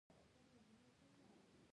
• د برېښنا اسراف چاپېریال ته زیان رسوي.